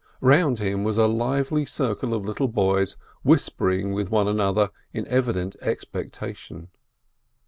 Round him was a lively circle of little boys whispering with one another in evident expectation.